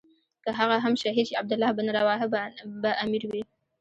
که هغه هم شهید شي عبدالله بن رواحه به امیر وي.